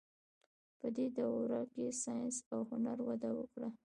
په دې دوره کې ساینس او هنر وده وکړه.